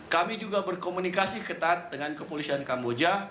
kami juga berkomunikasi ketat dengan kepolisian kamboja